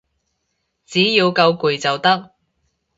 只要夠攰就得